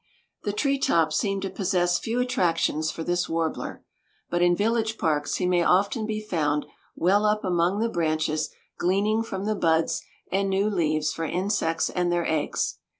The tree tops seem to possess few attractions for this warbler, but in village parks he may often be found well up among the branches gleaning from the buds and new leaves for insects and their eggs.